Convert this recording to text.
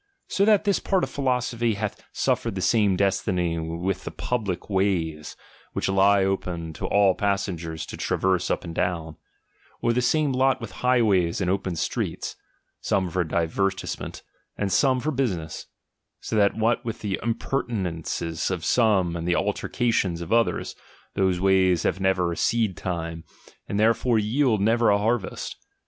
So that this part of philosophy hath snflFered the same destiny with the public ways, which lie open to all passengers to traverse up and down : or the same lot with highways and ■open streets, some for divertisement, and some for business ; so that ivhat with the impertinences of some and the altercations of others, those ways have never a seed time, and therefore yield never a harvest.